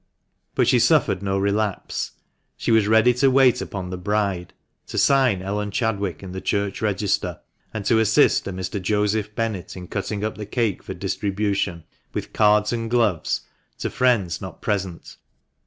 But she suffered no relapse. She was ready to wait upon the bride, to sign " Ellen Chadwick " in the church register, and to assist a Mr. Joseph Bennett in cutting up the cake for distribution, with cards and gloves, to friends not present.